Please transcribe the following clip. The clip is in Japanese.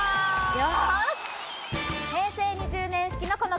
よし！